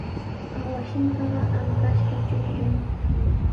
Awashinkaqa ankashqa chuqllumi.